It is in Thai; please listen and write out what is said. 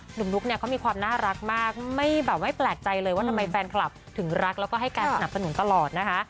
นุ๊กเนี่ยเขามีความน่ารักมากไม่แบบไม่แปลกใจเลยว่าทำไมแฟนคลับถึงรักแล้วก็ให้การสนับสนุนตลอดนะคะ